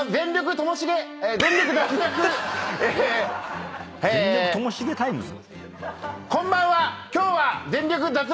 ともしげタイムズ』？